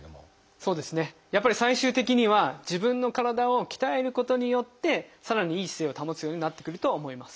そうですねやっぱり最終的には自分の体を鍛えることによってさらにいい姿勢を保つようになってくるとは思います。